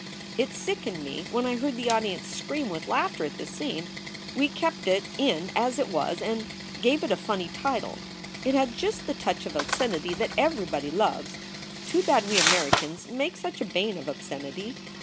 It sickened me when I heard the audience scream with laughter at the scene. We kept it in as it was and gave it a funny title. It had just the touch of obscenity that every body loves. Too bad we Americans make such a bane of obscenity!